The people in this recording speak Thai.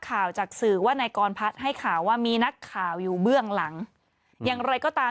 ข่าวจากสื่อว่านายกรพัฒน์ให้ข่าวว่ามีนักข่าวอยู่เบื้องหลังอย่างไรก็ตาม